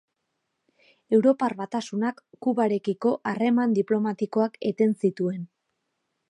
Europar Batasunak Kubarekiko harreman diplomatikoak eten zituen